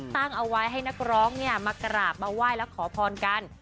ตั้งเอาไว้ให้นักร้องมากราบมาไหว้และขอพรกัน